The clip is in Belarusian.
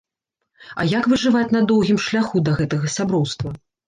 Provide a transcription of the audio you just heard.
А як выжываць на доўгім шляху да гэтага сяброўства?!